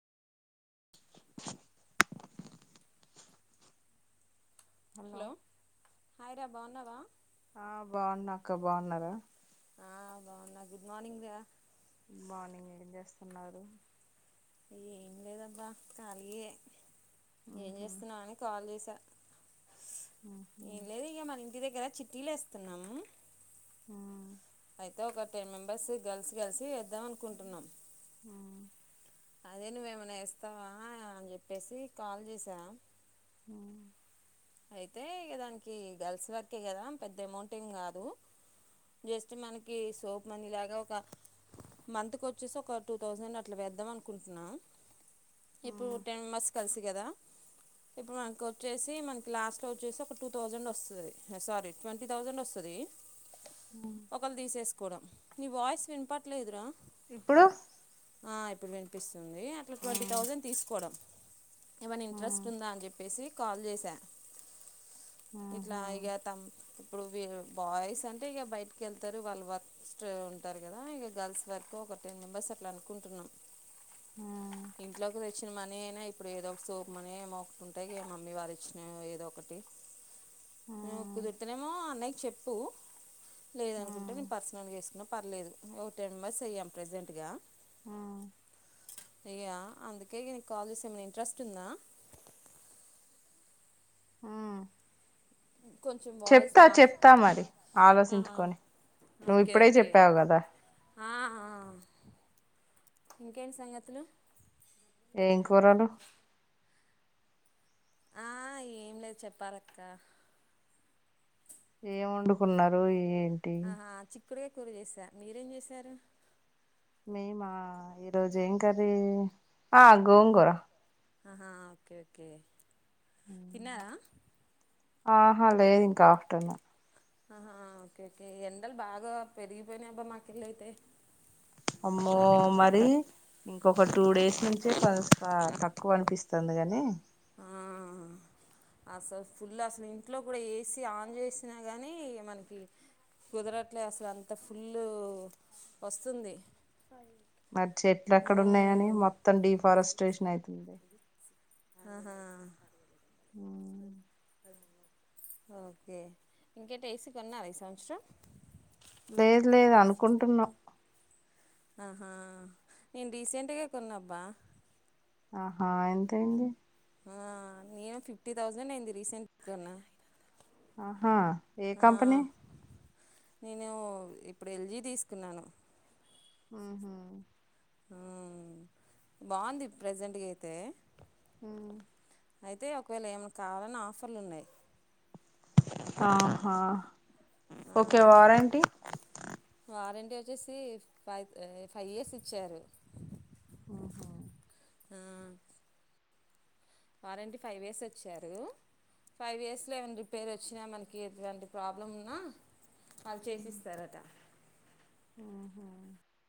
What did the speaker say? hello hi రా బావున్నావా ఆ బావున్న అక్క బావున్నారా ఆ బావున్న గుడ్ మార్నింగ్ రా గుడ్ మార్నింగ్ ఏం చేస్తున్నారు ఏం లేదబ్బా ఖాళీయే ఏం ఉహు చేస్తున్నవని కాల్ చేసా ఊహు ఏం లేదు ఇక మన ఇంటి దగ్గర చిటీలు ఎస్తున్నాము ఆ అయితె ఒక టెన్ మెంబెర్స్ గర్ల్స్ కలిసి వేద్దాం అనుకుంటున్నం ఉ అదె నువ్వేమన్న ఎస్తావా అని చెప్పేసి కాల్ చేసా హ అయితే ఇగ దానికి గర్ల్స్ వరకే గదా పెద్ద అమౌంట్ ఏం గాదు జస్ట్ మనకి సోప్ మనీ లాగా ఒక మంత్కు ఒచ్చేసి ఒక టూ థౌజండ్ అట్ల వేద్దాం అనుకుంటున్న ఇప్పుడు ఉ టెన్ మెంబర్స్ కలిసి గదా ఇప్పుడు మనకి ఒచ్చేసి మన్ లాస్ట్ లో ఒచ్చేసి ఒక టూ థౌజండ్ వస్తది అది సారీ ట్వంటీ థౌజండ్ వస్తదీ ఉ ఒకళు తీసేసుకోడం నీ వాయిస్ వినపట్లేదురా ఇప్పుడు ఆ ఇప్పుడు వినిపిస్ తుంది అట్ల ఉ ట్వంటీ థౌసండ్ తీసుకోడం ఏమన్న ఉ ఇంట్రెస్ట్ ఉందా అని చెప్పేసి కాల్ చేసా ఉహు ఉ ఇట్లా ఇగా తన్ ఇప్పుడు వి బాయ్స్ అంటే ఇగ బయటకెళ్తరు వాళ్ళు వర్క్ స్ట్రె ఉంటారు గదా ఇగ గర్ల్స్ వర్కు ఒక టెన్ మెంబర్స్ అట్ల అనుకుంటున్నం ఉ ఇంట్లోకి తె చ్చిన మనీనే ఇప్పుడు ఏదొ ఒక సోపు మనీ మోకుంటే ఇగ మమ్మీ వాళ్ళు ఇచ్చినయి ఏద్ దో ఒకటి ఉ నీకు కుదురుతునేమో అన్నయ్యకి చెప్పు ఉ లేదనుకుంటే నేను పర్సనల్గా ఎసుకున్నా పర్లేదు ఒక టెన్ మెంబర్స్ అయ్యాం ప్రెజెంట్గా ఆ ఇగ అందుకే ఇగ నిక్ కాలే జెస ఏమైన ఇంట్రెస్ట్ ఉందా ఆ కొంచెం వాయిస్ చెప్తా మార్స్ చెప్తా మరి ఆలోసించుకొని నువ్ ఓకే ఇప్పుడే ఓకే చెప్పావు గదా ఆ, ఆ ఇంకేంటి సంగతులు ఏం కూరలు ఆ ఏం లేదు చెప్పారక్క ఏం వండుకున్నారు ఏ ఆహా చిక్కుడుగాయ కూర చేసా మీరేం చేశారు మేమా ఈరోజు ఏం కరీ ఆ గోంగూర హా ఓకే ఓకే తిన్నారా ఆహా లేదు ఇంకా ఆఫ్టేర్నూన్ ఆహా ఓకే ఓకే ఎండలు బాగా పెరిగిపోయినాయి అబ్బా మాకెళ్ళయితే అమ్మో మరి ఇంకొక టూ డేస్ నుంచే కాస్త తక్కువ అనిపిస్తుంది గాని ఆహ అసలు ఫుల్ అసలు ఇంట్లో కూడా ఏసి ఆన్ చేసినా కానీ మనకి కుదరట్లే అసలు అంత ఫుల్ వస్తుంది మరి చెట్లు ఎక్కడ ఉన్నాయ అని ఉమ్, మొత్తం డిఫారెస్టేషన్ అవుతుంది ఆహా ఊ ఓకే ఇంకేట ఏసీ కొన్నార ఈ సంవత్సరం లేదు లేదు అనుకుంటున్నాం ఆహా నేను రీసెంట్గా కొన్నాబ్బా ఆహా ఎంత ఐంది ఆ నేను ఫిఫ్టీ థౌజండ్ అయింది రీసెంట్ గా కొన్న ఆహా ఏ కంపనీ నేను ఇప్పుడు ఎల్జీ తీసుకున్నాను ఊహు ఊ బాగుంది ప్రెజెంట్గా అయితే ఊ అయితే ఒకవేళ ఏమన్నా కావాలన ఆఫర్లు ఉన్నాయి ఆహా ఓకే వారంటి ఇది వచ్చేసీ ఫై ఫైవ్ ఇయర్స్ ఇచ్చారు ఊ హు వారంటీ ఫైవ్ ఇయర్స్ వచ్చారు ఫైవ్ ఇయర్స్లో ఏమైనా రిపేర్ వచ్చినా మనకి ఎటువంటి ప్రాబ్లం ఉన్నా వాళ్ళు చేసిస్తారట ఊహు